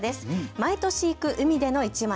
毎年行く海での１枚。